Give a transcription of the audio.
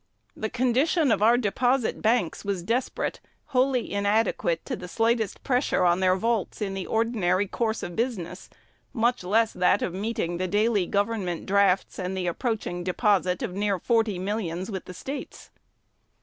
"The condition of our deposit banks was desperate, wholly inadequate to the slightest pressure on their vaults in the ordinary course of business, much less that of meeting the daily government drafts and the approaching deposit of near forty millions with the States."